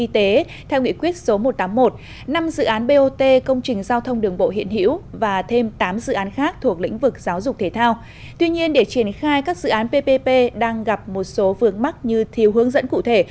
tuy nhiên để triển khai các dự án ppp đang gặp một số vườn mắt như thiếu hướng dẫn cụ thể